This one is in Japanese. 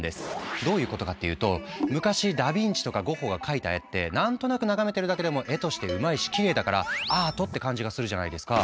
どういうことかっていうと昔ダ・ヴィンチとかゴッホが描いた絵って何となく眺めてるだけでも絵としてうまいしきれいだから「アート」って感じがするじゃないですか？